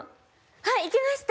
はい行きました！